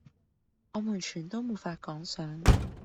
我們全都沒法趕上！